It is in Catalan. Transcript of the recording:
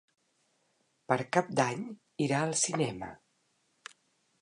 Per Cap d'Any irà al cinema.